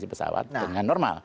pesawat dengan normal